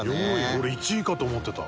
俺１位かと思ってた。